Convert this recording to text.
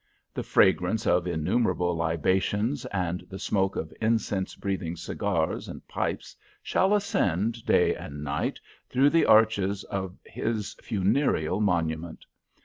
The fragrance of innumerable libations and the smoke of incense breathing cigars and pipes shall ascend day and night through the arches of his funereal monument.